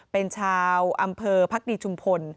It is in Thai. เป็นชาวอำเภอพักดีชุมพล